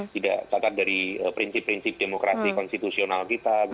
tidak catat dari prinsip prinsip demokrasi konstitusional kita